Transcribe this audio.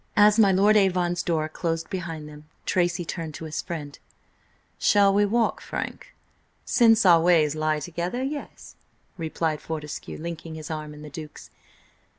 As my Lord Avon's door closed behind them, Tracy turned to his friend: "Shall we walk, Frank?" "Since our ways lie together, yes," replied Fortescue, linking his arm in the Duke's.